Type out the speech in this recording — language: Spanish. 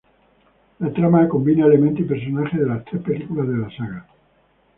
La trama combina elementos y personajes de las tres películas de la saga.